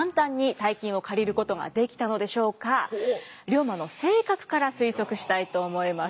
龍馬の性格から推測したいと思います。